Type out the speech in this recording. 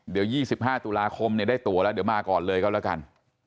เดี๋ยว๒๕ตุลาคมได้ตัวแล้วเดี๋ยวมาก่อนเลยก็แล้วกัน